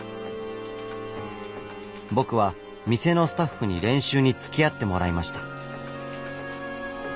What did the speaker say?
僕は店のスタッフに練習につきあってもらいました。